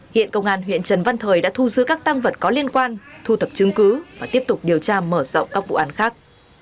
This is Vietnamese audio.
hiện công an huyện trần văn thời đã thu giữ các tăng vật có liên quan thu thập chứng cứ và tiếp tục điều tra mở rộng các vụ án khác